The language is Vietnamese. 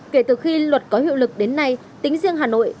kể từ khi luật có hiệu lực đến nay tính riêng hà nội